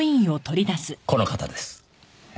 この方です。え？